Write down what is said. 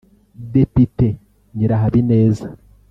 Depite Nyirahabineza